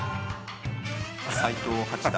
斎藤八段